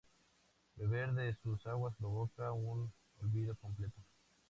Beber de sus aguas provocaba un olvido completo.